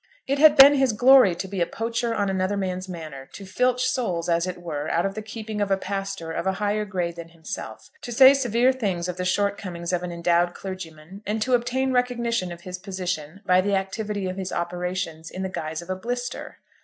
It had been his glory to be a poacher on another man's manor, to filch souls, as it were, out of the keeping of a pastor of a higher grade than himself, to say severe things of the short comings of an endowed clergyman, and to obtain recognition of his position by the activity of his operations in the guise of a blister.